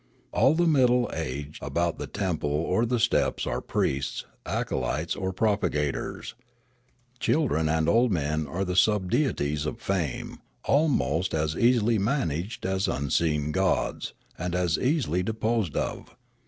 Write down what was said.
All the middle aged about the temple or the steps are priests, acolytes, or propagators. Child ren and old men are the subdeities of fame, almost as easily managed as unseen gods, and as easil} disposed of.